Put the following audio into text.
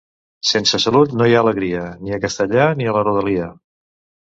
Sense salut no hi ha alegria, ni a Castellar ni a la rodalia.